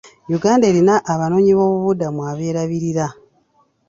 Uganda erina abanoonyiboobubudamu abeerabirira.